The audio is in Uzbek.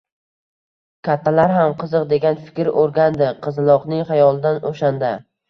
Kattalar ham qiziq degan fikr o`tgandi qizaloqning xayolidan o`shandi